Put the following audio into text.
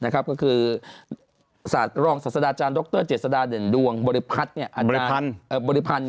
ก็คือสาธารองค์สัตว์ศรดาอาจารย์ดรเจศดาเด่นดวงบริพันธ์